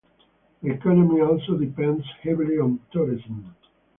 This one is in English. The economy also depends heavily on tourism.